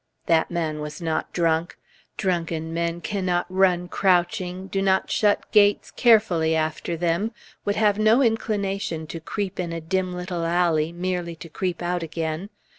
That man was not drunk! Drunken men cannot run crouching, do not shut gates carefully after them, would have no inclination to creep in a dim little alley merely to creep out again.